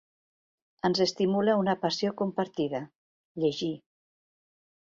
Ens estimula una passió compartida: llegir.